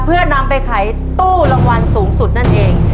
เพื่อนำไปขายตู้รางวัลสูงสุดนั่นเอง